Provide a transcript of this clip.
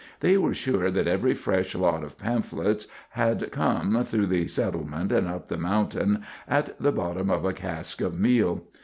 They were sure that every fresh lot of pamphlets had come, through the settlement and up the mountain, at the bottom of a cask of meal.